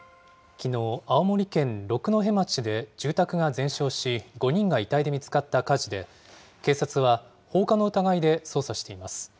きのう、青森県六戸町で住宅が全焼し、５人が遺体で見つかった火事で、警察は放火の疑いで捜査しています。